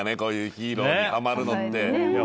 ヒーローにはまるのって。